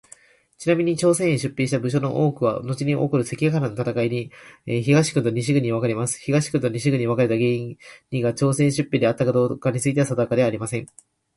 ちなみに、朝鮮へ出兵した武将の多くはのちに起こる関ヶ原の戦いにて東軍と西軍に分かれます。東軍と西軍に分かれた原因にが朝鮮出兵であったかどうかについては定かではありません。